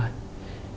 mô hình thuế